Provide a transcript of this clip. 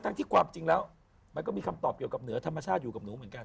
ที่ความจริงแล้วมันก็มีคำตอบเกี่ยวกับเหนือธรรมชาติอยู่กับหนูเหมือนกัน